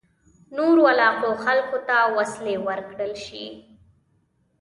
نورو علاقو خلکو ته وسلې ورکړل شي.